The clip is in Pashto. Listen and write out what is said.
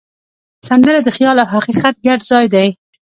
سندره د خیال او حقیقت ګډ ځای دی